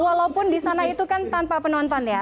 walaupun disana itu kan tanpa penonton ya